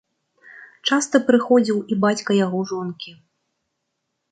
Часта прыходзіў і бацька яго жонкі.